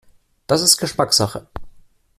Das ist Geschmackssache.